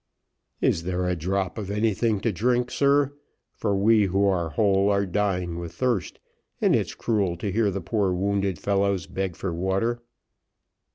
"Is there a drop of anything to drink, sir? for we who are whole are dying with thirst, and it's cruel to hear the poor wounded fellows beg for water."